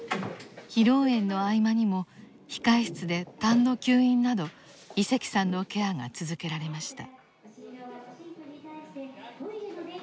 披露宴の合間にも控え室でたんの吸引など井関さんのケアが続けられました。